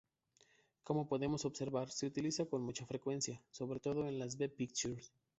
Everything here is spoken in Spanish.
Como podemos observar se utilizan con mucha frecuencia, sobre todo con las B-pictures.